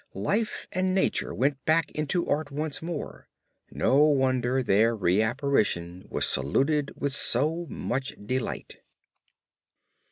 Life and nature went back into art once more; no wonder their re apparition was saluted with so much delight.